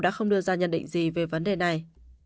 đã không đưa ra nhận định gì về vấn đề này